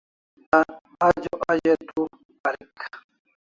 Ajo a ze tu parik